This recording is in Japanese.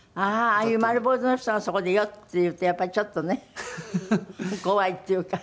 ああいう丸坊主の人がそこで「よっ！」って言うとやっぱりちょっとね怖いっていうか。